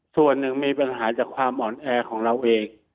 ส่วนหนึ่งมีปัญหาจากความอ่อนแอของเราเอง